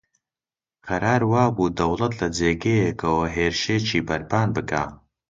قەرار وا بوو دەوڵەت لە جێگەیەکەوە هێرشێکی بەرپان بکا